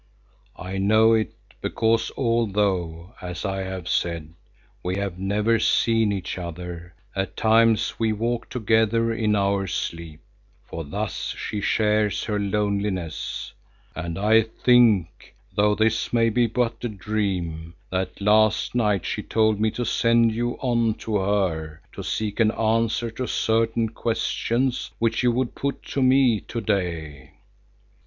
I know it, because although, as I have said, we have never seen each other, at times we walk together in our sleep, for thus she shares her loneliness, and I think, though this may be but a dream, that last night she told me to send you on to her to seek an answer to certain questions which you would put to me to day.